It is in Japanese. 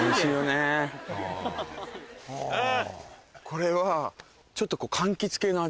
これはちょっと。